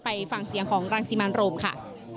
ไปฟังเสียงของรังสิมันโรมค่ะ